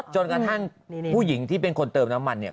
จนกระทั่งผู้หญิงที่เป็นคนเติมน้ำมันเนี่ย